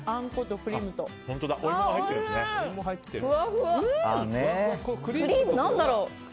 クリーム、何だろう。